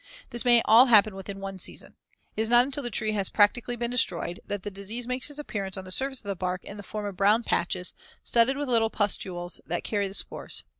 This may all happen within one season. It is not until the tree has practically been destroyed that the disease makes its appearance on the surface of the bark in the form of brown patches studded with little pustules that carry the spores.